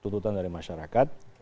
tuntutan dari masyarakat